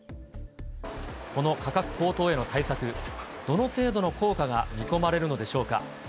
この価格高騰への対策、どの程度の効果が見込まれるのでしょうか。